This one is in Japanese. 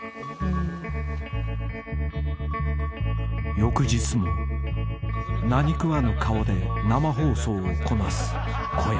［翌日も何食わぬ顔で生放送をこなす小籔］